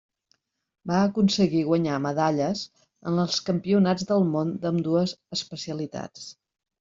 Va aconseguir guanyar medalles en els campionats del món d'ambdues especialitats.